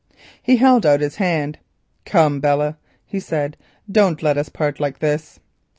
He held out his hand. "Come, Belle," he said, "don't let us part like this."